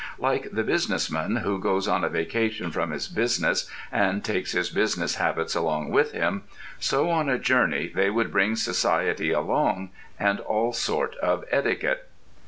Like the business man who goes on a vacation from his business and takes his business habits along with him, so on a journey they would bring society along, and all sort of etiquette.